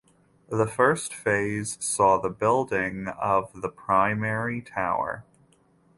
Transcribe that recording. The first phase saw the building of the primary tower.